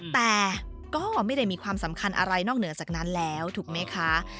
แต่ก็ไม่ได้มีความสำคัญอะไรนอกเหนือจากนั้นแล้วถูกไหมคะ